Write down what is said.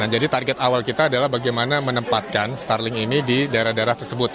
jadi target awal kita adalah bagaimana menempatkan starlink ini di daerah daerah tersebut